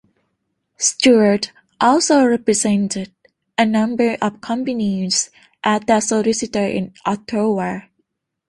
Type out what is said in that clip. Stewart also represented a number of companies as their solicitor in Ottawa.